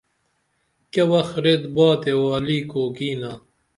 کیہ وخ ریت باتے والی کوکینا